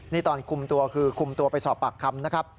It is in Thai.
นี่ตอนคุมตัวคือคุมตัวไปสอบปากคำนะครับ